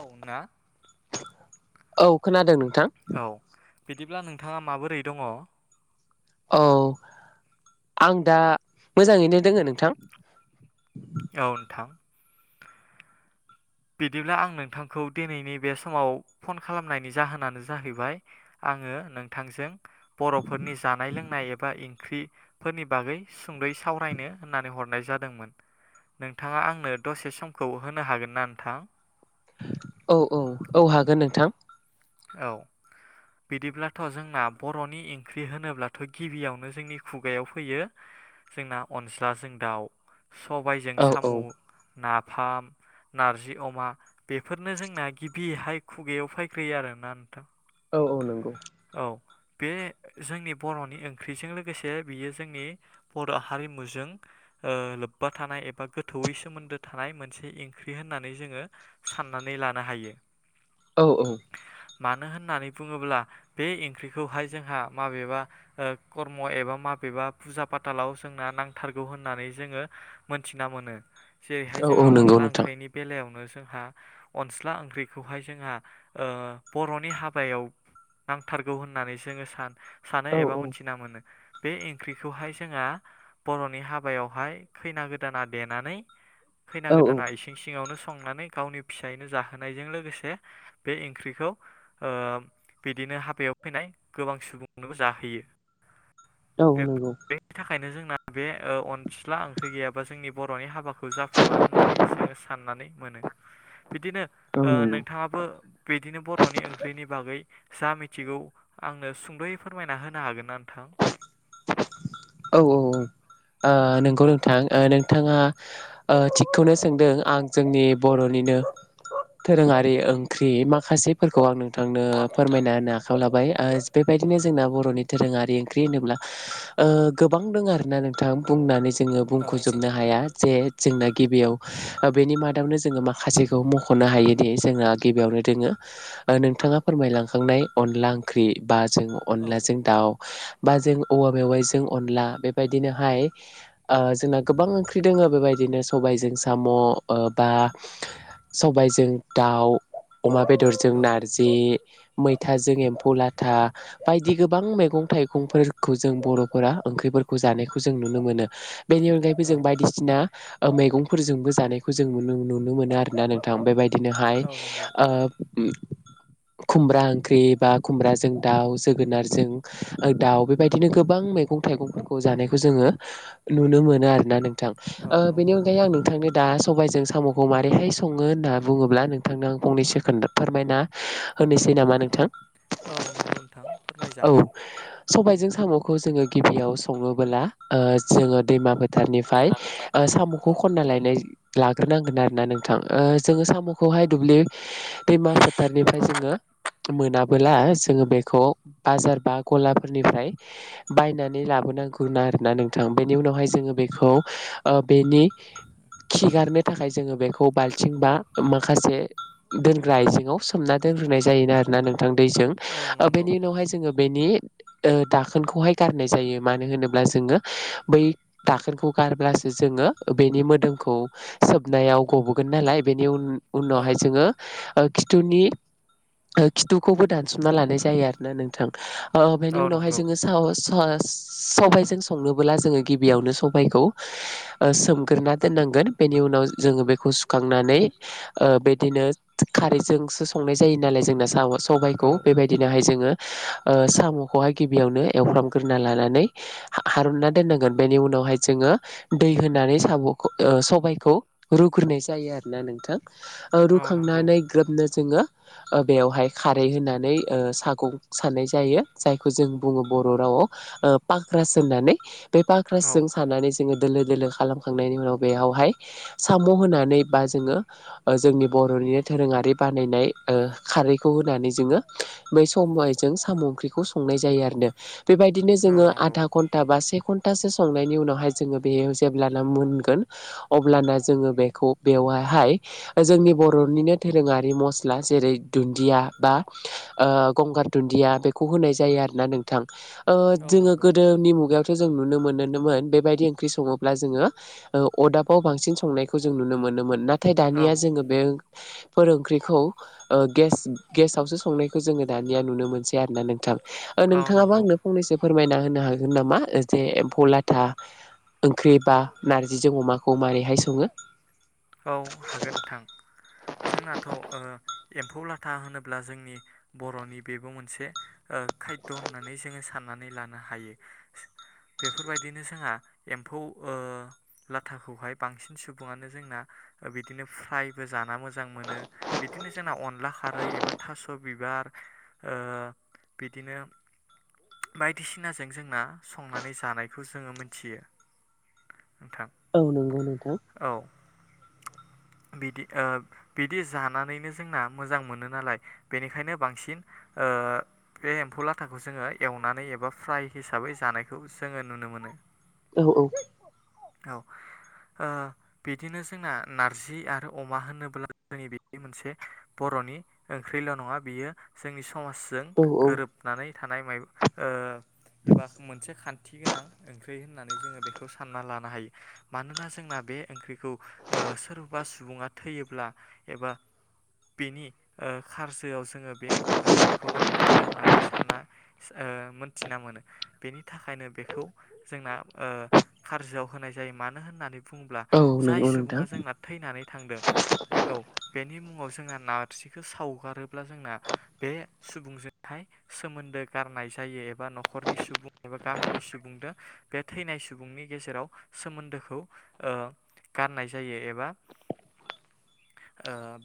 औना औ खोनादों नोंथां [unintelligible] औ बिदिब्ला नोंथांङा माबोरै दंङ? औ आं दा मोजांङैनो दोंङो नोंथां। नोंथां बिदिब्ला आं नोंथांखौ दिनैनि बे समाव फन खालामनायनि जाहोनानो जाहैबाय आं आंङो नोंथांजों बर'फोरनि जानाय लोंनाय एबा इंख्रिफोरनि बागै सुंद'यै सावरायनो होननानै हरनाय जादोंमोन। नोंथांङा आंनो दसे समखौ होनो हागोन ना नों थां? औ औ औ हागोन नोंथां औ बिदिब्लाथ' जोंना बर'नि इंख्रि होनोब्लाथ' गिबियावनो जोंनि खुगायाव फैयो जोंना अनज्लाजों दाउ सबायजों औ औ साम' नाफाम नारजि अमा बेफोरनो जोंना गिबिहाय खुगायाव फै ग्रोयो आरोना नोंथां? औ औ नंगौ औ बे जोंनि बर'नि ओंख्रिजों लोगोसे बियो जोंनि बर' हारिमुजों ओ लोब्बा थानाय एबा गोथौवै सोमोन्दो थानाय मोनसे ओंख्रि होननानै जोंङो साननानै नै लानो हायो। औ औ मानो होननानै बुंङोब्ला बे इख्रिखौहाय जोंहा माबेबा ओ कर्म' एबा माबेबा फुजा फाथालाव जोंना नांथारगौ होननानै जोंङो मोनथिना मोनो। जेरैहाय औ औ जोंहा नंगौ अनला नोंथां ओंख्रिनि बेलायावनो जोंहा अनस्ला ओंख्रिखौहाय जोंहा ओ बर'नि हाबायाव नांथारगौ होननानै जोंङो सा-सानो औ एबा औ मिथिना मोनो। बे इख्रिखौहाय जोंहा बर'नि हाबायावहाय खैना गोदाना देनानै खैना औ औ गोदाना इसिं सिंङावनो संनानै गावनि फिसाइनो जाहोनायजों लोगोसे बे इख्रिखौ ओ बिदिनो हाबायाव फैनाय गोबां सुबुंनोबो जाहोयो। नंगौ औ यो नंगौ बेनि थाखायनो जोंना बे ओ अनस्ला ओंख्रि गैयाबा जोंनि बर'नि हाबाखौ खौ जाफुंङा होननानै जोंङो साननानै मोनो। बिदिनो औ ओ नोंथांङाबो बिदिनो बर'नि ओंख्रिनि बागै जा मिथिगौ आंनो सुंद'यै फोरमायना होनो हागोन ना नोंथां? औ औ औ ओ नोंगौ औ नोंथां नोंथाङा ओ थिगखौनो सोंदों आं जोंनि बर'निनो दोरोंआरि ओंख्रि माखासेफोरखौ आं नों थांनो औ नोंथां फोरमायना होनो आखायाव लाबाय आ औ बेबायदिनो जोंना बर'नि दोरोंआरि ओंख्रि होनोब्ला ओ गोबां दोङो आरोना नोंथां बुंनानै जोङो औ बुंख'जोबनो हाया जे जोंना गिबियाव बेनि मादावनो जोङो माखासेखौ मख'नो हायोदि जोंहा गिबियावनो दोङो- नोंथाङा फोरमायलांखांनाय अनला ओंख्रि बा- जों अनलाजों दाउ बा जों- औवा मेवाइजों अनला बेबायदिनोहाय ओ जोंना गोबां ओंख्रि दोङो बेबायदिनो सबाय- जों साम' ओ बा सबायजों‌ दाउ। अमा बेदरजों औ नारजि। मैथाजों एम्फौ लाथा बायदि गोबां मैगं थाइगंफोर- खौ जों बर'फोरा ओंख्रिफोरखौ जानायखौ जों नुनो मोनो बेनि अनगायैबो औ जों बायदिसिना ओ मैगंफोरजोंबो जानायखौ जों नुनो मोनो आरोना नोंथां। बेबायदिनोहाय औ नंगौ ओ [inaudible] खुमब्रा ओंख्रि बा खुमब्राजों दाउ जोगोनारजों ओ दाउ बे बे बायदिनो गोबां मैगं थाइगंफोरखौ जानायखौ जोङो नुनो मोनो आरोना नों- थां औ ओ बे नंगौ अनगायै आं नोंथांनो- दा सबायजों साम'खौ माबारैहाय सङो होनना बुङोब्ला नोंथांनो आं फंनैसो खोनथा फोरमायना- होनोसै नामा नोंथां? औ नंगौ नोंथां औ फोरमायजागोन। सबायजों साम'खौ जोङो गिबियाव सङोबोला ओ जोङो दैमा- फोथारनिफ्राय दैमा फोथार साम'खौ औ खनना लायनाय- लाग्रोनांगोन आरो ना नोंथां। ओ जोङो साम'खौहाय दुब्लि- दैमा फोथारनिफ्राय मा जोङो फोथार मोनाब बोला जोङो बेखौ बाजार बा गलाफोरनिफ्राय बायनानै लाबोनांगौ आरोना नोंथां बेनि उनावहाय जोङो बेखौ बेनि [inaudible] खिगारनो थाखाय जोङो बेखौ बाल्थिं बा माखासे दोनग्रा आइजेङाव सोमना दोन दोननाय जायो आरो ना नोंथां दैजों। औ नंगौ बेनि उनावहाय जोङो बेनि ओ दाखोनखौहाय गारनाय जायो। मानो होनोब्ला जोङो बै दाखोनखौ गारब्लासो जोङो बेनि मोदोमखौ सोबनायाव गबोगोन नालाय बेनि उन औ उनावहाय जोङो ओ खिथुनि ओ खिथुखौबो दानसुमना लानाय जायो आरोना नोंथां। ओ बेनि औ उनावहाय नंगौ जोङो साहस सहस। सबायाइजों संनोबोला जोङो गिबियावनो सबाइखौ ओ सोमग्रोना दोननां गोन। बेनि उनाव जोङो बेखौ सुखांनानै ओ बिदिनो खारैजोंसो संनाय जायो नालाय जोंना साम औ सबायखौ। बेबादिनोहाय जोङो ओ साम'खौ हाय गिबियावनो एवफ्रामग्रोना लानानै हा हारुनना दोननांगोन बेनि उनाव जोङो दै होनांग साम'खौ सबायखौ रुग्रोननाय जायो आरोना नोंथां ओ औ नंगौ रुखांनानै ग्रोबनो जोङो बेयावहाय खारै होनानै ओ सागं सानाय जायो। जाय- जों बुङो बर' रावाव पक्रास होननानै बे औ पक्रासजों सानानैनानै जोङो दोलो दोलो खालामखांनायनि उनाव बेयावहाय साम' होनानै बा जोङो जोंनि बर'नि नो दोरोंआरि बानायनाय ओ खारैखौ होनानै जोङो बै सबायजों साम' ओंख्रिखौ सं संनाय जायो आरो। बेबायदिनो औ जों नंगौ आदा घन्टा बा से घन्टा न्टासो संनायनि उनावहाय जोङो बेयो जेब्लाना मोनगोन अब्लाना जोङो बेखौ बेवहाय बेवहाय जोंनि बर'निनो दोरोंआरि मस्ला जेरै दुन्दिया बा ओ गंगार दुन्दिया बेखौ होनाय जायो आरोना नोंथां। ओ औ जोङो नंगौ गोदोनि मुगायाव जों नुनो मोनोमोन बेबायदि ओंख्रि सङोब्ला जोङो अरदाबाव बांसिन संनायखौ जों नुनो मोनो। मोनोमोन नाथाय औ दानिया जोङो बे फोर ओंख्रिखौ ओ गेस गेसावसो संनायखौ जोङो दानिया नुनो मोनसै आरोना नोंथां। औ नोंथाङाबो नंगौ आंनो फंनैसो फोरमायना होनो हागोन नामा जे एम्फौ लाथा। ओंख्रि बा नारजिजों अमाखौ मारैहाय सङो। औ हागोन नोंथां। जोंनाथ एम्फौ लाथा होनोब्ला जोंनि बर'नि बेबो मोनसे खायद होननानै जोङो साननानै लानो हायो। बेफोरबायदिनो जोंहा एम्फौ लाथाखौहाय बांसिन सुबुङानो जोंना बिदिनो फ्रायबो जाना मोजां मोजां मोनो बिदिनो जोंना अनला खारै एबा थास' बिबार। ओ बिदिनो। बायदिसिनाजों जोंना संनानै जानायखौ जोङो मोनथियो। नोंथां औ नंगौ नोंथां। औ [inaudible] बिदि बिदि जानानैनो जोंना मोजां मोनो नालाय बेनिखायनो बांसिन ओ बे एम्फौ लाथाखौ जोङो एवनानै एबा फ्राय हिसाबै जानायखौ जोङो नुनो मोनो। औ-औ औ आ बिदिनो। जोंना नारजि आरो अमा होनोब्ला जोंनि बे मोनसे बर'नि ओंख्रिल नङा। बि जोंनि समाजजों औ औ गोरोबनानै थानाय एबा मोनसे खान्थि गोनां ओंख्रि होननानै जोङो बेखौ सान्ना लानो हायो मानोना जोंना बे ओंख्रिखौ सोरबा सुबुङा थैयोब्ला एबा बेनि खारजोआव जोङो बे ओंख्रिखौ नांथारगौ होननानै सानना मोनथिना मोनो बेनि थाखायनो बेखौ जोंना खारजोआव होनाय जायो मानो होननानै बुङोब्ला औ जाय नंगौ सुबुं नोंथां सुबुङा जोंना थैनानै थांदों बे औ बेनि मुङाव जोंना नारजिखौ सावगारोब्ला जोंना बे सुबुंजोंहाय सोमोन्दो गारनाय जायो एबा न'खरनि सुबुं एबा गामिनि सुबुंजों बे थैनाय सुबुंनि गेजेराव सोमोन्दोखौ गारनाय जायो एबा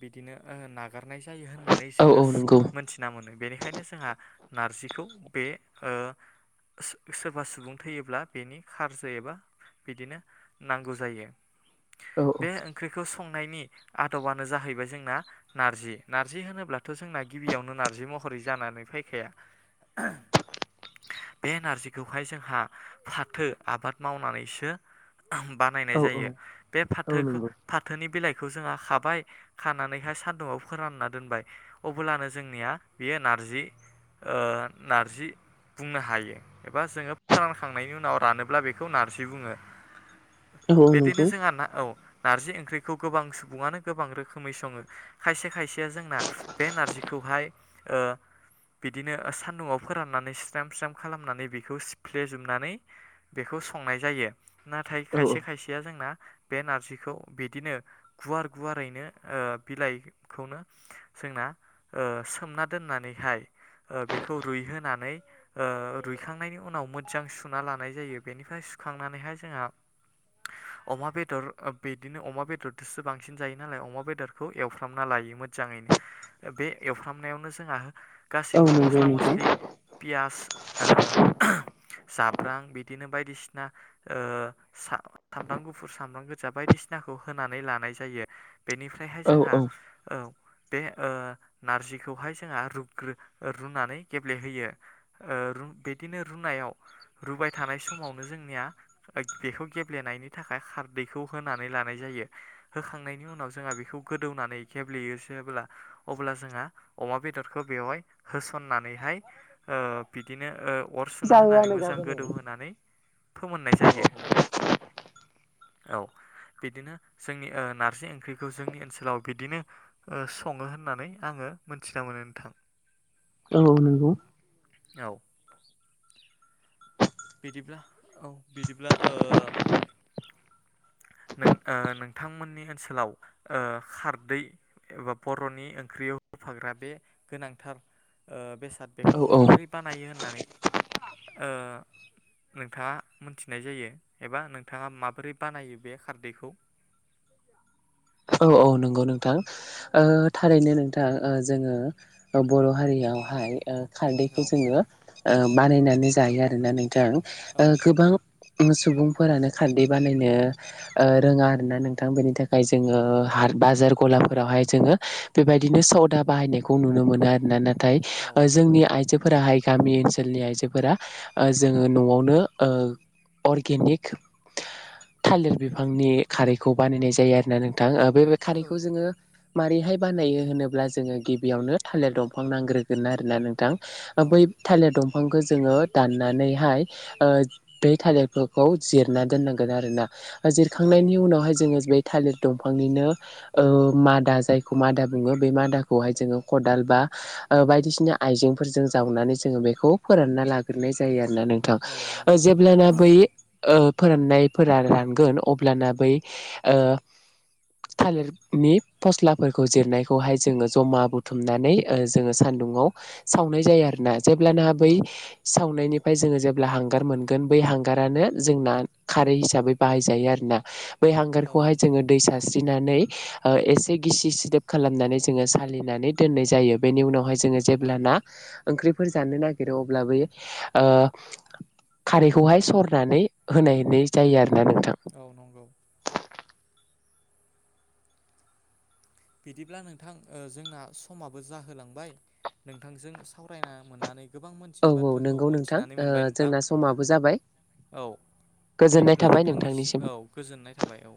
बिदिनो नागारनाय जायो होनना होननानै औ जोङो औ नंगौ मोनथिना मोनो बेनिखायनो जोंहा नारजिखौ बे सोरबा सुबुं थैयोब्ला बेनि खारजो एबा बिदिनो नांगौ जायो। औ। बे ओंख्रिखौ संनायनि आदबानो जाहैबाय जोंना नारजि नारजि होनोब्लाथ' जोंना गि गिबियावनो नारजि महरै जानानै फैखाया। बे नारजिखौहाय जोंहा फाथो आबाद मावनानैसो बानायनाय औ औ जायो। बे औ फाथोखौ नंगौ फाथोनि बिलाइखौ जोंहा खाबाय खानानैहाय सान्दुंआव फोरानना दोनबाय। अब्लानो जोंनिया बेयो नारजि नारजि बुंनो हायो एबा जोङो फोरानखांनायनि उनाव रानोब्ला बेखौ नारजि बुङो। औ बिदिनो नोंगौ जोंहा ना नारजि ओंख्रिखौ गोबां सुबुङानो गोबां रोखोमै सङो खायसे खायसेया जोंना बे नार नारजिखौहाय बिदिनो सान्दुंआव फोराननानै स्रेम स्रेम खालामनानै बेखौ सिफ्लेजोबनानै बेखौ संनाय जायो नाथाय औ खायसे खायसेया जोंना बे नारजिखौ बिदिनो गुवार गुवारैनो बिलाइखौनो जोंना सोमना दोननानैहाय बेखौ रुइहोनानै रुइखांनायनि उनाव मोजां सुना लानाय जायो बेनिफ्राय सुखांनानैहाय जोंहा अमा बेदर बिदिनो अमा बेदरजोंसो बांसिन जायो नालाय अमा बेदरखौ एवफ्रामना लायो मोजाङैनो। बे एवफ्रामनायावनो जोंहा औ गासिबो नंगौ मस्ला नोंथां मस्लि फियास ओ जाब्रां बिदिनो बायदिसिना ओ सामब्राम गुफुर सामब्राम गोजा बायदिसिनाखौ होनानै लानाय जायो बेनिफ्रायहाय औ जोंहा औ औ बे ओ नारजिखौहाय जोंहा रुग्रो रुनानै गेब्लेहोयो। ओ रु बिदिनो रुनायाव रुबाय थानाय समावनो जोंनिया बेखौ गेब्लेनायनि थाखाय खार दैखौ होनानै लानाय जायो होखांनायनि उनाव जोंहा बेखौ गोदौनानै गेब्लेयो एसे अब्ला अब्ला जोंहा अमा बेदरखौ बेवहाय होसननानैहाय ओ बिदिनो ओ अर सुना होनानै जाहोआनो मोजां जाबाय नै गोदौ होनोनानै फोमोननाय जायो। औ बिदिनो जोंनि ओ नारजि ओंख्रिखौ जोंनि ओनसोलाव बिदिनो सङो होननानै आङो मोनथिना मोनो नोंथां औ नंगौ। औ बिदिब्ला औ बिदिब्ला ओ नों नोंथांमोननि ओनसोलाव ओ खारदै एबा बर'नि ओंख्रियाव फाग्रा बे गोनांथार बेसाद बेखौ औ औ माबोरै बानायो होननानै ओ नोंथाङा मोनथिनाय जायो एबा नोंथाङा माबोरै बानायो बे खारदैखौ [unintelligible] औ औ नंगौ नोंथां ओ थारैनो नोंथां ओ जोङो बर' हारिया नावहाय ओ खारदैखौ औ जोङो ओ बानायनानै जायो आरोना नोंथां ओ औ गोबां सुबुंफोरानो खारदै बानायनो रोङा आरो ना नोंथां बेनि थाखाय जोङो औ हार बाजार गलाफोरावहाय जोङो बेबायदिनो सदा बाहायनायखौ नुनो मोनो आरो ना थाय औ जोंनि आइजो फोराहाय गामि ओनसोलनि आइजोफोरा ओ जोङो न'आवनो ओ अर्गेनिक थालिर बिफांनि खारैखौ बानायनाय जायो आरो ना नोंथां बे खारैखौ औ जोङो माबोरैहाय बानायो होनोब्ला जोङो गिबियावनो थालिर दंफां नांग्रोगोन आरोना नोंथां बै थालिर दं बिफांखौ जोङो दाननानैहाय ओ बै थालिरफोरखौ जिरना दोननांगोन आरोना औ जिरखांनायनि नंगौ उनावहाय जोङो बे थालिर दंफांनिनो ओ मादा जायखौ मादा बुङो बे मादाखौहाय जोङो खदाल बा ओ बायदिसिना आइजेंफोरजों जावनानै जोङो बेखौ फोरानना लाग्रोनाय जायो आरो ना नोंथां औ नंगौ जेब्लाना बै ओ फोराननायफोरा रानगोन अब्लाना बै ओ [unintelligible] थालिरनि फस्लाफोरखौ जिरनायखौहाय जोङो जमा बुथुमनानै जोङो ओ सान्दुङाव औ सावनाय जायो आरो ना जेब्लाना औ बै सावनायनि फाय जोङो जेब्ला हांगार मोनगोन बै हांगारानो जोंना खारै हिसाबै बाहायजायो आरोना बै हांगारखौहाय नंगौ जोङो दै सारस्रिनानै एसे गिसि सिदोब खालामनानै जोङो सालिनानै दोननाय जायो बेनि उनावहाय जोङो जेब्लानो ना ओंख्रिफोर जानो नागिरो अब्ला बै ओ खारैखौहाय सरनानै होनायनाय जायो आरो औ नंगौ। बिदिब्ला नोंथां जोंना समाबो जाहोलांबाय नोंथांजों सावरायना मोननानै गोबां औ मोनथियै औ बाथ्राखौ नंगौ नोंथां मोनथिनानै मोनबाय नोंथां जोंना समाबो जाबाय। औ गोजोननाय बिदिब्ला थाबाय नोंथांनिसिम औ गोजोननाय थाबाय औ।